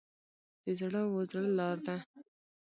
د زړه و زړه لار ده.